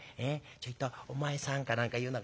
『ちょいとお前さん』かなんか言うのかね。